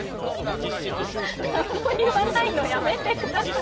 何も言わないのやめてください。